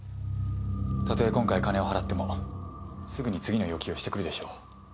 たとえ今回金を払ってもすぐに次の要求をしてくるでしょう。